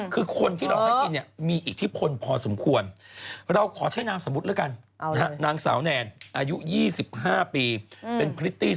คือคนที่หลอกให้กินเนี่ย